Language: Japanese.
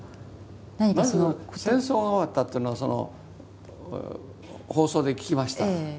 まず戦争が終わったっていうのはその放送で聞きました。